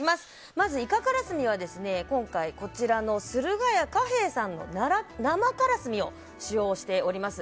まず、いかからすみは今回駿河屋賀兵衛さんの生からすみを使用しております。